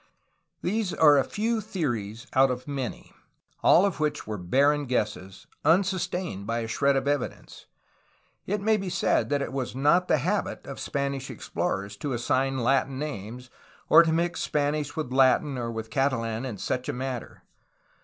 These are a few theories out of many, all of which were barren guesses, un sustained by a shred of evidence. It may be said that it was not the habit of Spanish explorers to assign Latin names, or to mix Spanish with Latin or with Catalan in such a matter.